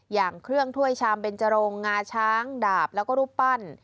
อย่างเครื่องถ้วยชามเบนจรงงาช้างดาบแล้วก็รูปปั้น